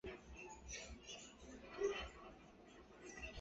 繁缕虎耳草为虎耳草科虎耳草属下的一个种。